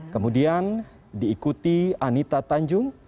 kemudian diikuti anita tanjung